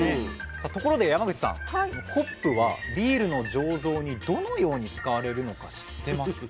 ところで山口さんホップはビールの醸造にどのように使われるのか知ってますか？